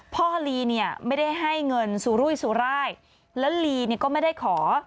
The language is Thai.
ลีเนี่ยไม่ได้ให้เงินสุรุยสุรายแล้วลีเนี่ยก็ไม่ได้ขอ